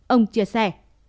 ông chia sẻ